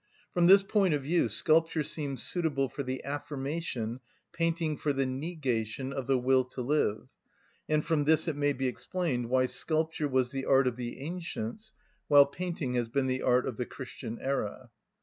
From this point of view sculpture seems suitable for the affirmation, painting for the negation, of the will to live, and from this it may be explained why sculpture was the art of the ancients, while painting has been the art of the Christian era.